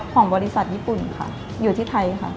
ของบริษัทญี่ปุ่นค่ะอยู่ที่ไทยค่ะ